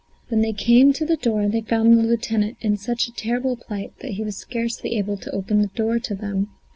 When they came to the door they found the lieutenant in such a terrible plight that he was scarcely able to open the door to them.